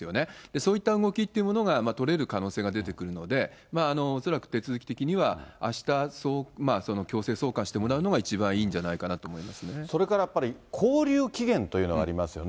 そういった動きというものが取れる可能性が出てくるので、おそらく手続き的には、あした強制送還してもらうのが一番いいんじゃなそれからやっぱり、こうりゅう期限というのがありますよね。